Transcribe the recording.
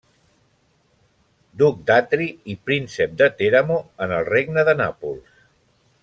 Duc d'Atri i príncep de Teramo, en el regne de Nàpols.